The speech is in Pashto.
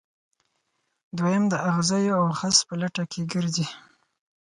دویم د اغزیو او خس په لټه کې ګرځي.